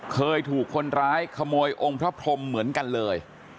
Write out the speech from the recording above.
เคยถูกคนร้ายขโมยองค์พระพรมเหมือนกันเลย